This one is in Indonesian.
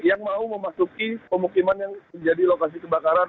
yang mau memasuki pemukiman yang menjadi lokasi kebakaran